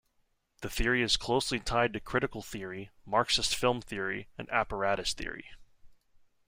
The theory is closely tied to Critical theory, Marxist film theory, and Apparatus theory.